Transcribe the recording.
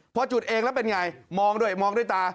พอจุดเองแล้วเป็นไงมองด้วยมองด้วยตา